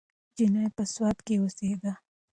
نجلۍ په سوات کې اوسیده.